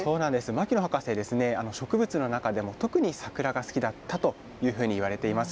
牧野博士、植物の中でも特に桜が好きだったというふうにいわれています。